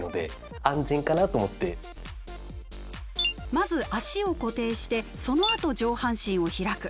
まず足を固定してそのあと上半身を開く。